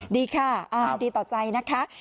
ดีค่ะดีต่อใจนะคะ